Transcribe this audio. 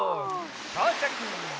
とうちゃく。